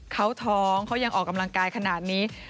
เขาท้องเขายังออกกำลังกายขนาดนี้